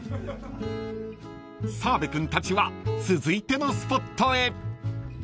［澤部君たちは続いてのスポットへ］